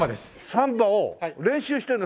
サンバを練習してるの？